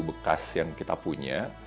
bekas yang kita punya